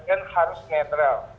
kan harus netral